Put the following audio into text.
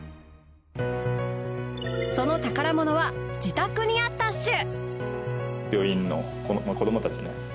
その宝物は自宅にあったっシュ！